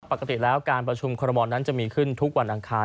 ปกติแล้วการประชุมคอรมอลนั้นจะมีขึ้นทุกวันอังคาร